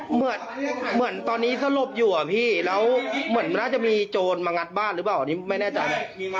เหมือนตอนนี้สลบอยู่อะพี่แล้วเหมือนมันน่าจะมีโจรมางัดบ้านหรือเปล่าอันนี้ไม่แน่ใจ